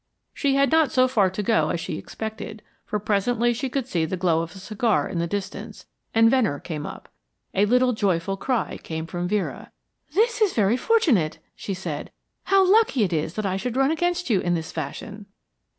She had not so far to go as she expected, for presently she could see the glow of a cigar in the distance, and Venner came up. A little joyful cry came from Vera. "This is very fortunate," she said. "How lucky it is that I should run against you in this fashion."